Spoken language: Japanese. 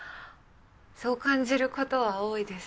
そう感じることは多いです。